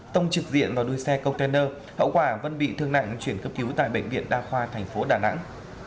tông trực diện vào đuôi xe container hậu quả vân bị thương nặng chuyển cấp cứu tại bệnh viện đa khoa thành phố đà nẵng